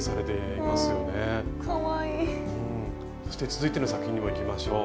そして続いての作品にもいきましょう。